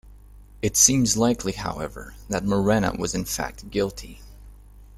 It seems likely, however, that Murena was in fact guilty.